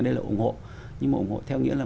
đây là ủng hộ nhưng mà ủng hộ theo nghĩa là